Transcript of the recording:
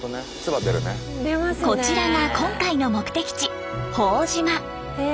こちらが今回の目的地朴島。